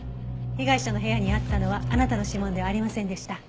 被害者の部屋にあったのはあなたの指紋ではありませんでした。